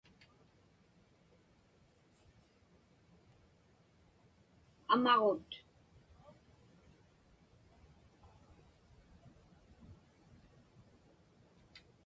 amaġut